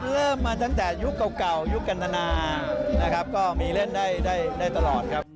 เริ่มมาตั้งแต่ยุคเก่ายุคกันตนานะครับก็มีเล่นได้ได้ตลอดครับ